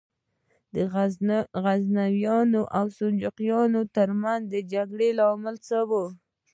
د غزنویانو او سلجوقیانو تر منځ د جنګ لامل څه و؟